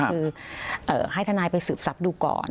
คือให้ทนายไปสืบทรัพย์ดูก่อน